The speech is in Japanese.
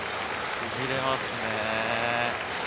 しびれます。